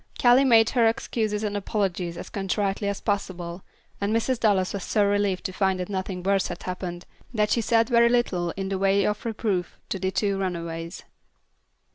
Callie made her excuses and apologies as contritely as possible, and Mrs. Dallas was so relieved to find that nothing worse had happened, that she said very little in the way of reproof to the two runaways.